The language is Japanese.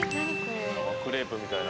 クレープみたいな？